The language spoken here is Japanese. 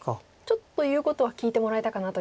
ちょっと言うことは聞いてもらえたかなという。